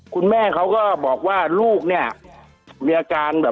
คุณติเล่าเรื่องนี้ให้ฮะ